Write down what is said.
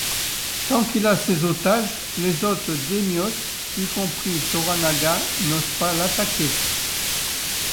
Tant qu'il a ces otages, les autres daimyos, y compris Toranaga, n'osent pas l'attaquer.